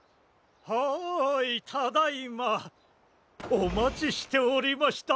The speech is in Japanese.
はいただいまおまちしておりました。